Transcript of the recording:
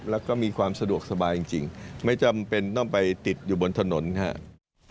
แล้วก็มีความสะดวกสบายจริงไม่จำเป็นต้องไปติดอยู่บนถนนครับ